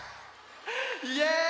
イエーイ！